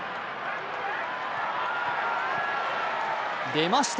出ました！